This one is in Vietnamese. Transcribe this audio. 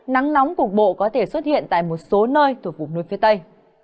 nắng nóng cục bộ có thể xuất hiện tại một số nơi thuộc vùng núi phía tây